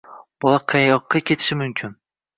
Bola qayoqqa ketishi mumkin?